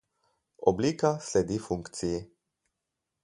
Oblika sledi funkciji.